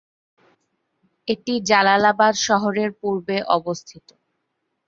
এটি জালালাবাদ শহরের পূর্বে অবস্থিত।